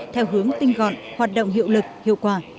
theo hướng tinh gọn hoạt động hiệu lực hiệu quả